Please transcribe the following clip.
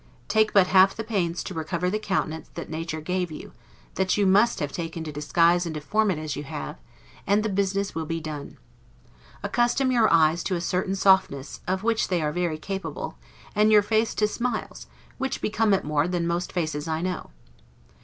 Take but half the pains to recover the countenance that nature gave you, that you must have taken to disguise and deform it as you have, and the business will be done. Accustom your eyes to a certain softness, of which they are very capable, and your face to smiles, which become it more than most faces I know.